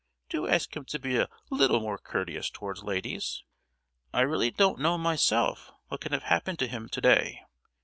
"Do ask him to be a little more courteous towards ladies!" "I really don't know myself what can have happened to him to day!"